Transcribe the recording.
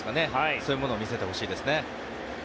そういうものを見せてほしいですね。